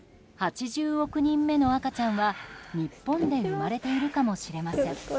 ８０億人目の赤ちゃんは日本で生まれているかもしれません。